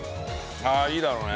ああいいだろうね。